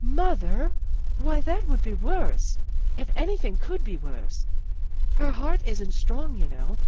" Mother! Why, that would be worse, if anything could be worse. Her heart isn't strong, you know.